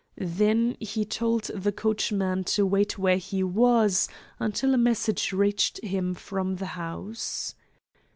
Then he told the coachman to wait where he was until a message reached him from the house.